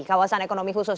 kawasan ekonomi khusus